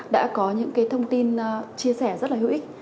đã có những thông tin chia sẻ rất là hữu ích